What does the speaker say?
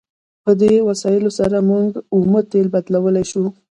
په دې وسایلو سره موږ اومه تیل بدلولی شو.